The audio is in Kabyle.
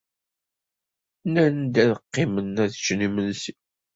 Nnan-d ad qqimen ad ččen imensi.